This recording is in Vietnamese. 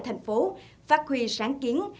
thành phố phát huy sáng kiến